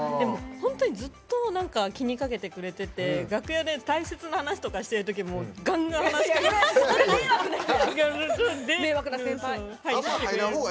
本当にずっと気にかけててくれてて楽屋で大切な話とかしてるときもがんがん話しかけてきて。